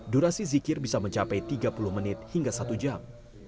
durasi zikir bisa mencapai tiga puluh menit hingga satu jam